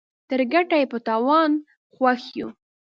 تر ګټه ئې په تاوان خوښ يو.